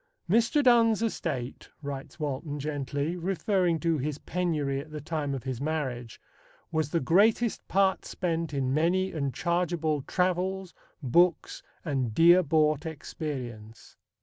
"Mr. Donne's estate," writes Walton gently, referring to his penury at the time of his marriage, "was the greatest part spent in many and chargeable travels, books, and dear bought experience."